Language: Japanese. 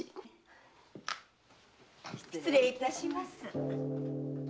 失礼いたします。